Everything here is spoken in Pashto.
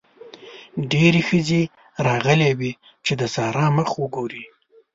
ډېرې ښځې راغلې وې چې د سارا مخ وګوري.